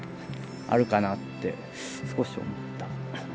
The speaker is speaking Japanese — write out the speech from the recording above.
「あるかな」って少し思った。